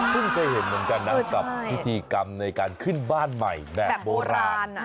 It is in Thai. เคยเห็นเหมือนกันนะกับพิธีกรรมในการขึ้นบ้านใหม่แบบโบราณ